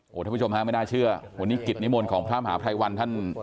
ท่านผู้ชมฮะไม่น่าเชื่อวันนี้กิจนิมนต์ของพระมหาภัยวันท่าน